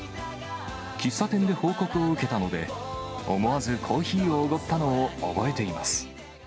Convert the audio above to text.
喫茶店で報告を受けたので、思わずコーヒーをおごったのを覚えています。